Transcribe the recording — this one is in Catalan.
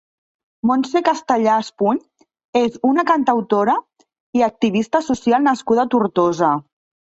Montse Castellà Espuny és una cantautora i activista social nascuda a Tortosa.